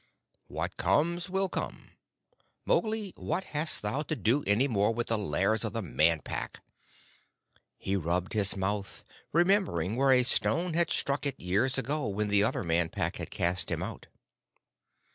"What comes will come. Mowgli, what hast thou to do any more with the lairs of the Man Pack?" He rubbed his mouth, remembering where a stone had struck it years ago when the other Man Pack had cast him out.